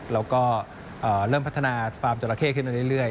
เราก็เริ่มพัฒนาฟาร์มจอราเค้ขึ้นเรื่อย